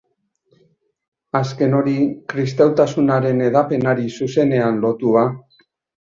Azken hori, kristautasunaren hedapenari zuzenean lotua.